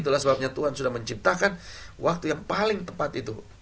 itulah sebabnya tuhan sudah menciptakan waktu yang paling tepat itu